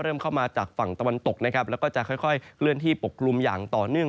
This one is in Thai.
เข้ามาจากฝั่งตะวันตกนะครับแล้วก็จะค่อยเคลื่อนที่ปกกลุ่มอย่างต่อเนื่อง